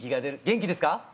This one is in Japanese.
元気です！